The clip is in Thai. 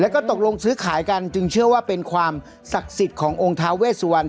แล้วก็ตกลงซื้อขายกันจึงเชื่อว่าเป็นความศักดิ์สิทธิ์ขององค์ท้าเวสวรรณ